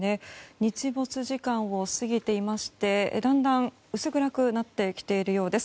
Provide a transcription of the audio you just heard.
日没時間を過ぎていましてだんだん薄暗くなってきているようです。